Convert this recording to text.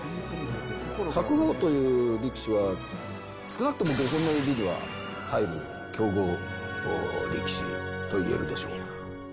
白鵬という力士は、少なくとも５本の指には入る強豪力士といえるでしょう。